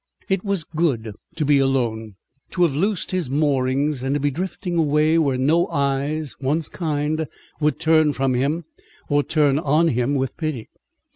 It was good to be alone, to have loosed his moorings, and to be drifting away where no eyes, once kind, would turn from him, or turn on him with pity.